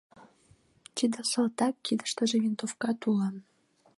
Тиде салтак, кидыштыже винтовкат уло.